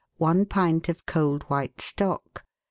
I pint of cold white stock.